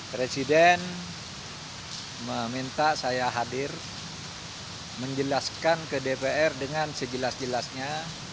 presiden meminta saya hadir menjelaskan ke dpr dengan sejelas jelasnya